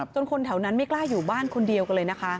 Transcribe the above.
คนแถวนั้นไม่กล้าอยู่บ้านคนเดียวกันเลยนะคะ